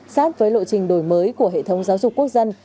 sát với lộ trình đổi mới của hệ thống giáo dục quốc dân